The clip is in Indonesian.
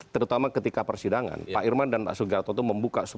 terutama ketika persidangan pak irman dan pak sugiharto itu membuka